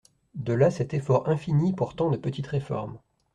De là cet effort infini pour tant de petites réformes.